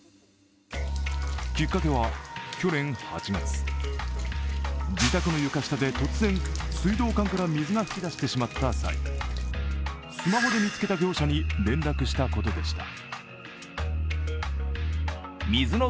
きっかけは去年８月、自宅の床下で突然、水道管から水が噴き出してしまった際、スマホで見つけた業者に連絡したことでした。